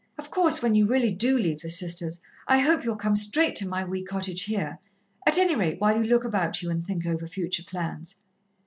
Of course, when you really do leave the Sisters, I hope you'll come straight to my wee cottage here at any rate while you look about you and think over future plans.